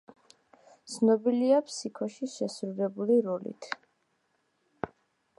ცნობილია „ფსიქოში“ შესრულებული როლით.